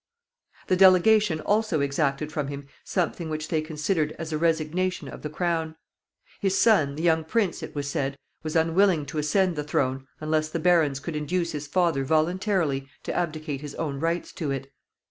The delegation also exacted from him something which they considered as a resignation of the crown. His son, the young prince, it was said, was unwilling to ascend the throne unless the barons could induce his father voluntarily to abdicate his own rights to it.